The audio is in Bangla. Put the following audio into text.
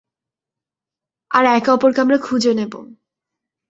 আর একে-অপরকে আমরা খুঁজে নেবো।